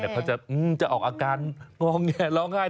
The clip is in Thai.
แต่เขาจะออกอาการงอแงร้องไห้